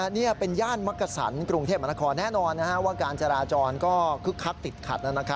นี่เป็นย่านมักกษันกรุงเทพมนครแน่นอนว่าการจราจรก็คึกคักติดขัด